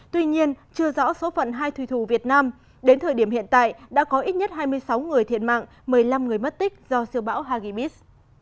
tuy nhiên chưa rõ số phận hai thủy thủ việt nam đến thời điểm hiện tại đã có ít nhất hai mươi sáu người thiệt mạng một mươi năm người mất tích do siêu bão hagibis